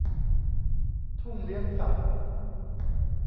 ทุ่งเลี้ยงสัตว์